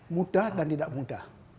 mudah dan tidak mudah